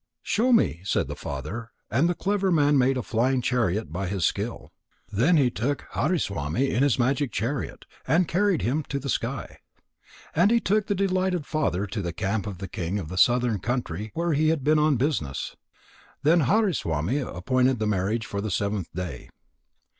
"Show me," said the father, and the clever man made a flying chariot by his skill. Then he took Hariswami in this magic chariot, and carried him to the sky. And he took the delighted father to the camp of the king of the southern country where he had been on business. Then Hariswami appointed the marriage for the seventh day.